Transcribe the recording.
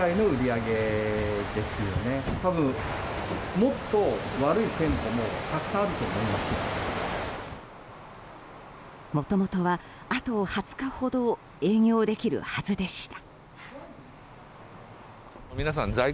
もともとは、あと２０日ほど営業できるはずでした。